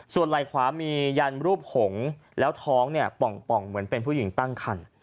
ส่วนไหล่ขวามียันรูปหงษ์แล้วท้องเนี่ยป่องเหมือนเป็นผู้หญิงตั้งคัน